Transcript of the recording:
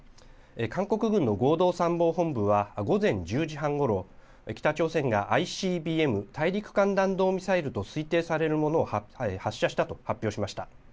韓国軍の合同参謀本部は午前１０時半ごろ、北朝鮮がＩＣＢＭ・大陸間弾道ミサイルと推定されるものを発射したと発表しました。